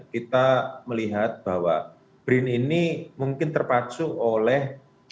kita melihat bahwa brin ini mungkin terpacu oleh